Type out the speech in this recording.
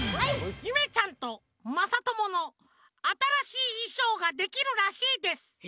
ゆめちゃんとまさとものあたらしいいしょうができるらしいです。